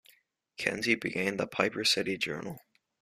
Kensey began the "Piper City Journal".